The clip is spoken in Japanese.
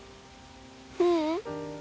ううん。